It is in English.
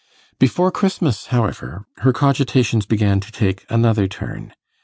Before Christmas, however, her cogitations began to take another turn.